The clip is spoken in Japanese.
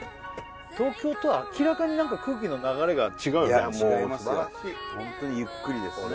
東京とは明らかに何か空気の流れが違うよな違いますよ